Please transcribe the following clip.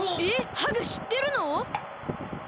ハグしってるの？